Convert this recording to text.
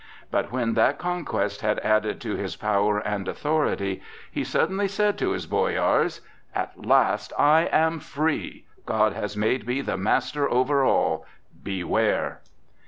But when that conquest had added to his power and authority, he suddenly said to his boyars: "At last I am free! God has made me the master over all. Beware!"